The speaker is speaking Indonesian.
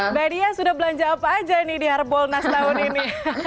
mbak dia sudah belanja apa aja nih di harbolnas tahun ini